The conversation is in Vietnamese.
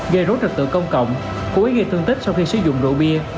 gây rốt trật tự công cộng cuối gây thương tích sau khi sử dụng rượu bia